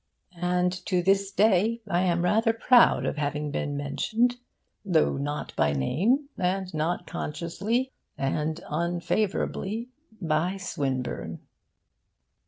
And to this day I am rather proud of having been mentioned, though not by name, and not consciously, and unfavourably, by Swinburne.